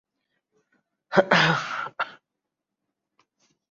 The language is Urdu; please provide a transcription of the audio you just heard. سٹریلیا اور عثمان خواجہ نے متعدد ریکارڈز پاش پاش کر دیے